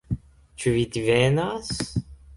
Ĉu vi divenas?